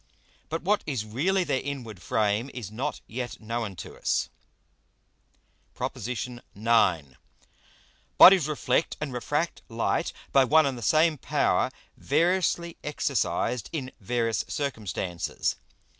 But what is really their inward Frame is not yet known to us. PROP. IX. _Bodies reflect and refract Light by one and the same power, variously exercised in various Circumstances.